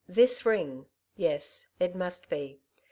This ring ! yes, it must be.